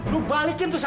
lo balikin tuh sar